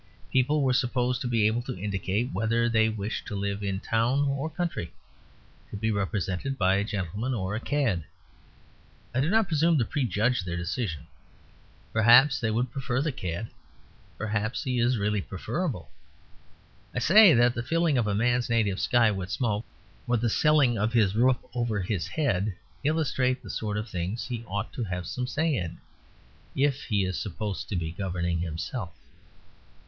People were supposed to be able to indicate whether they wished to live in town or country, to be represented by a gentleman or a cad. I do not presume to prejudge their decision; perhaps they would prefer the cad; perhaps he is really preferable. I say that the filling of a man's native sky with smoke or the selling of his roof over his head illustrate the sort of things he ought to have some say in, if he is supposed to be governing himself.